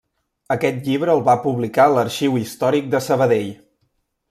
Aquest llibre el va publicar l'Arxiu Històric de Sabadell.